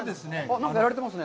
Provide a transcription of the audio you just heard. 何かやられてますね。